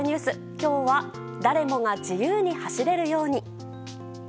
今日は誰もが自由に走れるように。